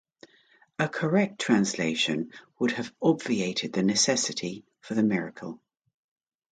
A correct translation would have obviated the necessity for the miracle.